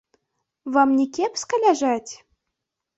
Вам не кепска ляжаць?